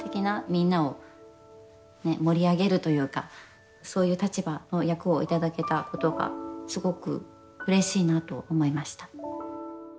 みんなを盛り上げるというかそういう立場の役を頂けたことがすごくうれしいなと思いました。